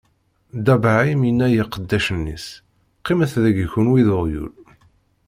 Dda Bṛahim inna i iqeddacen-is: Qqimet dagi kenwi d uɣyul.